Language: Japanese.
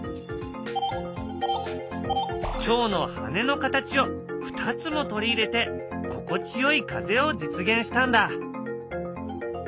チョウの羽の形を２つも取り入れて心地よい風を実現したんだ。